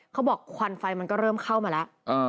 ควันไฟมันก็เริ่มเข้ามาแล้ว